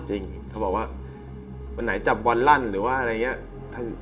เขาบอกว่าวันไหนจับบอลลั่นหรือว่าอะไรอย่างนี้